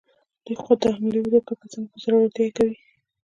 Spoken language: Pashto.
دوی خو د حملې هوډ کړی، که څنګه، چې په زړورتیا یې کوي؟